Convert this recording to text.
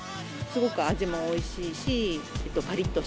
すごく味もおいしいし。